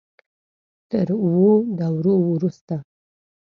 تر اوو دورو وروسته.